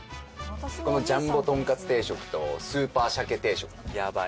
このジャンボとんかつ定食とスーパーシャケ定食。